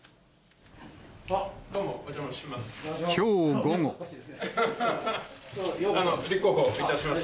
どうも、お邪魔します。